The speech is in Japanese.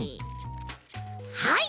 はい。